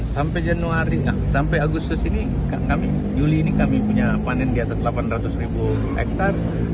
sampai januari sampai agustus ini juli ini kami punya panen di atas delapan ratus ribu hektare